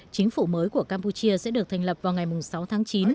chính phủ mới của campuchia sẽ được thành lập vào ngày sáu tháng chín